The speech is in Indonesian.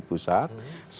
kepada dewan pimpinan pusat